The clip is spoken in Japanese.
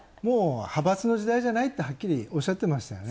派閥の時代じゃないってはっきりおっしゃってましたよね。